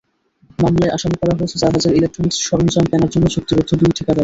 মামলায় আসামি করা হয়েছে জাহাজের ইলেকট্রনিকস সরঞ্জাম কেনার জন্য চুক্তিবদ্ধ দুই ঠিকাদারকে।